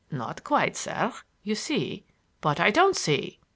"Not quite, sir. You see—" "But I don't see!"